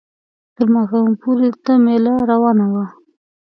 تر ماښامه پورې دلته مېله روانه وه.